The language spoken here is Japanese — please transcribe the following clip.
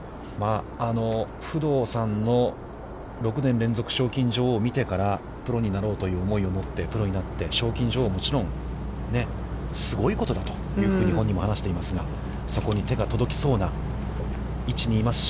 不動さんの６年連続賞金女王を見てから、プロになろうという思いを持ってプロになって、賞金女王、もちろんすごいことだというふうに本人も話していますがそこに手が届きそうな位置にいますし。